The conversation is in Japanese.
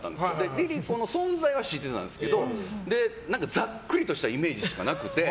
ＬｉＬｉＣｏの存在は知っていたんですけどざっくりとしたイメージしかなくて。